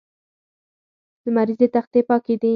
لمریزې تختې پاکې دي.